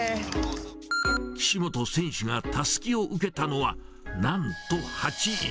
岸本選手がたすきを受けたのは、なんと８位。